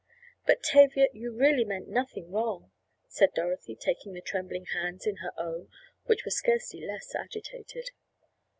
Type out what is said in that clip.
"But, Tavia, you really meant nothing wrong," said Dorothy taking the trembling hands in her own which were scarcely less agitated.